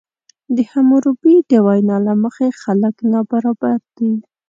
د حموربي د وینا له مخې خلک نابرابر دي.